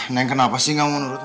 neng kenapa sih kamu menurutmu